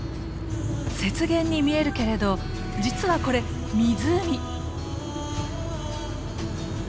雪原に見えるけれど実はこれ湖。